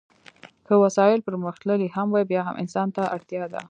که وسایل پرمختللي هم وي بیا هم انسان ته اړتیا ده.